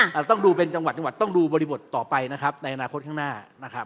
เราต้องดูเป็นจังหวัดจังหวัดต้องดูบริบทต่อไปนะครับในอนาคตข้างหน้านะครับ